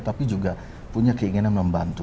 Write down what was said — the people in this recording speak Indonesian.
tapi juga punya keinginan membantu